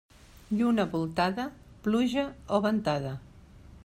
Lluna voltada, pluja o ventada.